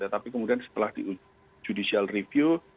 tapi kemudian setelah di judicial review